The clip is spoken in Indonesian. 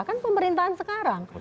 kan pemerintahan sekarang